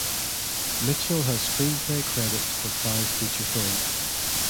Mitchell has screenplay credits for five feature films.